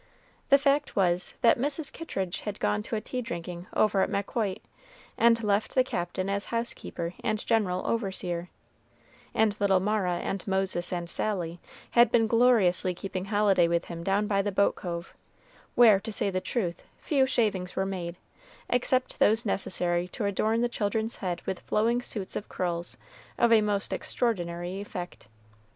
The fact was that Mrs. Kittridge had gone to a tea drinking over at Maquoit, and left the Captain as housekeeper and general overseer; and little Mara and Moses and Sally had been gloriously keeping holiday with him down by the boat cove, where, to say the truth, few shavings were made, except those necessary to adorn the children's heads with flowing suits of curls of a most extraordinary effect.